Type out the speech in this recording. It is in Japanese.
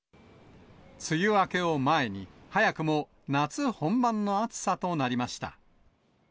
梅雨明けを前に、早くも夏本番の暑さとなりました。